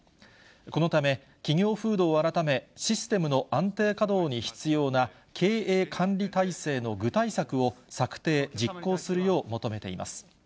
このため、企業風土を改め、システムの安定稼働に必要な、経営管理態勢の具体策を策定・実行するよう求めています。